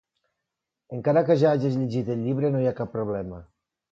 Encara que ja hagis llegit el llibre, no hi ha cap problema.